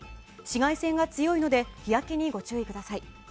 紫外線が強いので日焼けにご注意ください。